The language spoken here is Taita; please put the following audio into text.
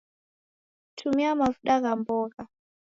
Tumia mavuda gha mbogha